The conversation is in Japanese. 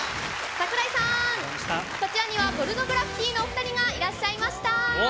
櫻井さん、こちらにはポルノグラフィティのお２人がいらっしゃいました。